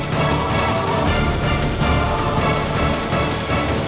temennya kita makan disini dulu